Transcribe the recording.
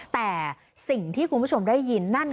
แต่สิ่งที่คุณผู้ชมได้ยินนั่น